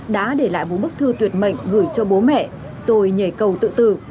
đã để lại một bức thư tuyệt mệnh gửi cho bố mẹ rồi nhảy cầu tự tử